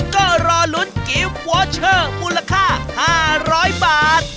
ก็รอลุ้นกิฟต์วอเชอร์มูลค่า๕๐๐บาท